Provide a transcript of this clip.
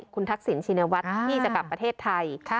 คุณทักษิณชินวัฒน์ที่จะกลับประเทศไทย